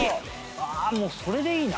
ああもうそれでいいな。